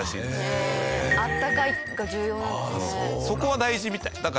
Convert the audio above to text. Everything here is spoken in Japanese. そこは大事みたい。